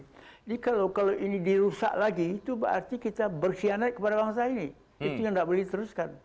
jadi kalau ini dirusak lagi itu berarti kita bersianat kepada bangsa ini itu yang tidak boleh diteruskan